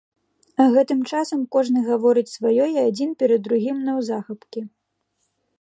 А гэтым часам кожны гаворыць сваё і адзін перад другім наўзахапкі.